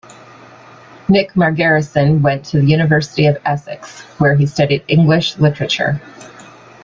Nick Margerrison went to the University of Essex where he studied English Literature.